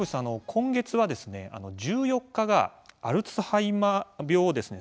今月はですね１４日がアルツハイマー病をですね